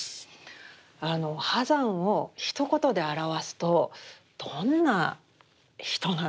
波山をひと言で表すとどんな人なんでしょうか？